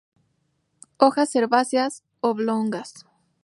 Hojas herbáceas, oblongas.